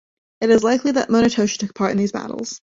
It is likely that Munetoshi took part in these battles.